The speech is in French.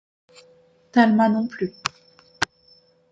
Talma non plus.